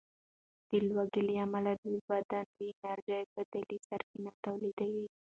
د لوږې له امله بدن د انرژۍ بدیلې سرچینې تولیدوي.